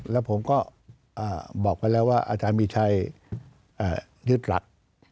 แล้วผมก็บอกไว้แล้วว่าอาจารย์มีชัยยึดหลัก